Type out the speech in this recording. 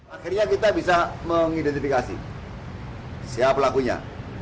akhirnya kita bisa mengidentifikasi siapa pelakunya